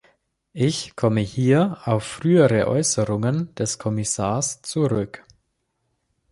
Ich komme hier auf frühere Äußerungen des Kommissars zurück.